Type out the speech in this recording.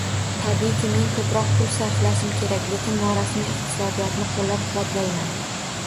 Tabiiyki, men ko'proq pul sarflashim kerak, lekin norasmiy iqtisodiyotni qo'llab -quvvatlayman